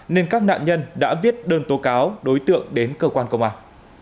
nên các nạn nhân đã viết đơn tố cáo đối tượng đến cơ quan công an